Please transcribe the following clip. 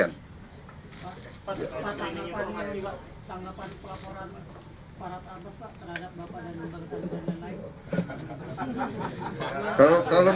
pak tanggapan pelaporan farhad abbas pak terhadap bapak dan bapak ibu bapak dan lain lain